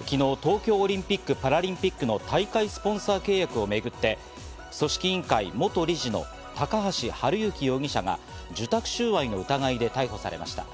昨日、東京オリンピック・パラリンピックの大会スポンサー契約をめぐって、組織委員会元理事の高橋治之容疑者が受託収賄の疑いで逮捕されました。